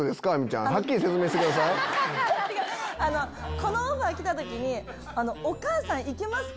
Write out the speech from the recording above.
このオファー来た時にお母さん行けますか？